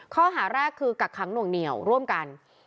ข้อหาแรกคือกักขังหน่วงเหนียวร่วมกัน